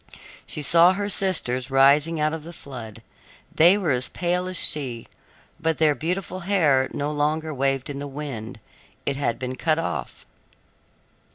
She saw her sisters rising out of the flood. They were as pale as she, but their beautiful hair no longer waved in the wind; it had been cut off.